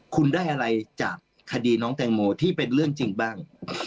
คุณได้อะไรจากที่เป็นเรื่องจริงบ้าง